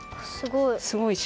すごい。